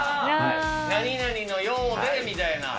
何々のようでみたいな。